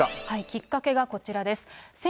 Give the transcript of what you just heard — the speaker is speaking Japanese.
きっかけがこちらです。